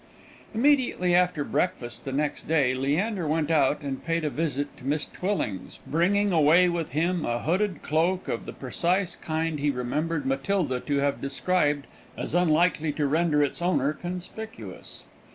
_ Immediately after breakfast the next day, Leander went out and paid a visit to Miss Twilling's, bringing away with him a hooded cloak of the precise kind he remembered Matilda to have described as unlikely to render its owner conspicuous.